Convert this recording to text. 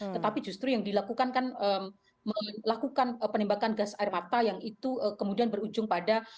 tetapi justru yang dilakukan kan melakukan penembakan gas air mata yang itu kemudian berujung pada